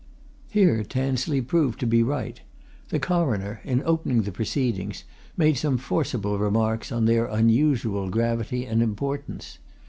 Here Tansley proved to be right. The Coroner, in opening the proceedings, made some forcible remarks on their unusual gravity and importance.